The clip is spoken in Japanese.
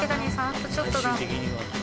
あとちょっとだ。